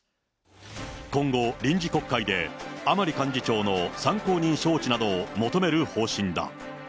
今後、臨時国会で甘利幹事長の参考人招致などを求める方針だ。